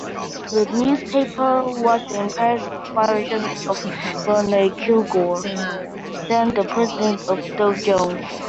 The newspaper was the inspiration of Barney Kilgore, then the president of Dow Jones.